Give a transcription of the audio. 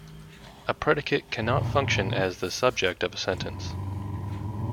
A predicate cannot function as the subject of a sentence.